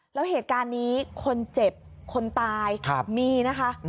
แล้วเหตุการณ์นี้คนเจ็บคนตายมีนะคะ